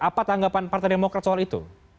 apa tanggapan partai demokrat soal itu